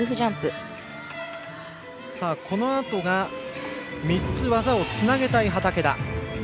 このあと３つ技をつなげたい畠田。